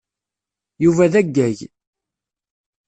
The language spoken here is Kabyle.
Yuba d aggag.